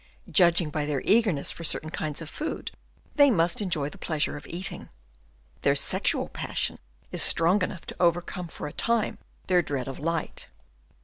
Judging by their eagerness for certain kinds of food, they must enjoy the pleasure of eating. Their sexual passion is strong enough to overcome for a time their dread of light.